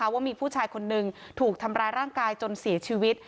ว่ามีผู้ชายคนนึงถูกทำร้ายร่างกายจนเสียชีวิต